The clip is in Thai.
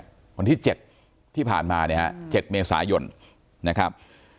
วันที่๗ที่ผ่านมาเนี่ยฮะ๗เมษายนนะครับ